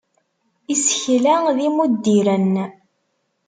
Isekla d imuddiren.